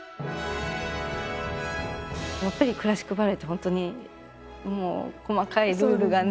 やっぱりクラシックバレエって本当にもう細かいルールがね